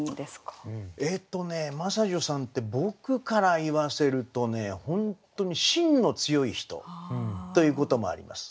えっとね真砂女さんって僕から言わせるとね本当にしんの強い人ということもあります。